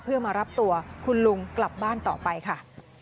เพื่อมารับตัวคุณลุงกลับบ้านต่อไปค่ะ